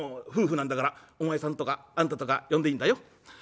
夫婦なんだからお前さんとかあんたとか呼んでいいんだよ」。